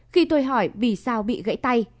khi tôi hỏi vì sao bị gãy tay